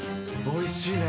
おいしいね。